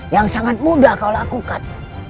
yang sangat mudah kau lakukan